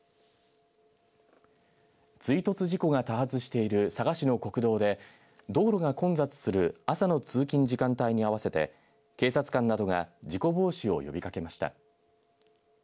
追突事故が多発している佐賀市の国道で道路が混雑する朝の通勤時間帯に合わせて警察官などが事故防止を呼びかけました。